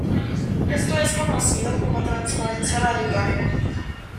Esto es conocido como transparencia radical.